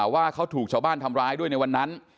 ว่าเขาถูกชาวบ้านทำร้ายด้วยในวันนั้น